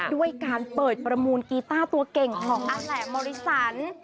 ด้วยการเปิดประมูลกีต้าตัวเก่งของอาแหลมมอริสัน